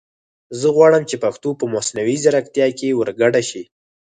زه غواړم چې پښتو په مصنوعي زیرکتیا کې ور ګډه شي